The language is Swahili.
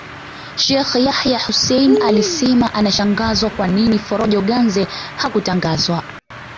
Sheikh Yahya Hussein alisema anashangazwa kwa nini Forojo Ganze hakutangazwa